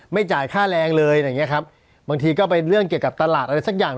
จ่ายค่าแรงเลยอะไรอย่างเงี้ยครับบางทีก็เป็นเรื่องเกี่ยวกับตลาดอะไรสักอย่าง